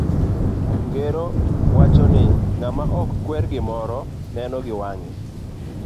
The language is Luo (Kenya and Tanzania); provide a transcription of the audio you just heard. Ng'ero no wacho ni, ng'ama ok kwer gimoro, neno gi wange.